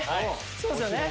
そうっすよね。